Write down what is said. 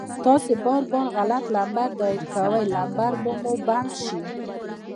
تاسو بار بار غلط نمبر ډائل کوئ ، نمبر به مو بند شي